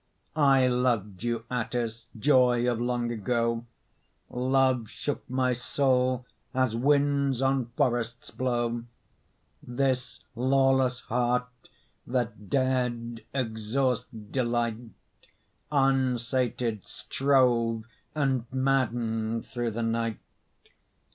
I loved you, Atthis joy of long ago Love shook my soul as winds on forests blow; This lawless heart that dared exhaust delight, Unsated strove and maddened through the night.